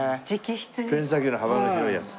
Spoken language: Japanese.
ペン先の幅の広いやつ。